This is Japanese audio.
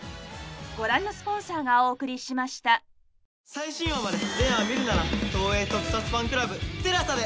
最新話まで全話見るなら東映特撮ファンクラブＴＥＬＡＳＡで。